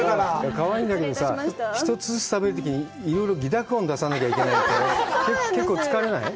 かわいいんだけどさ、１つずつ食べるときに、いろいろぎだく音をださないといけないから結構疲れない？